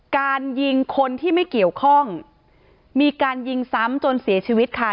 การยิงคนที่ไม่เกี่ยวข้องมีการยิงซ้ำจนเสียชีวิตค่ะ